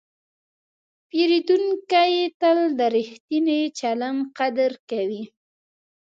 پیرودونکی تل د ریښتیني چلند قدر کوي.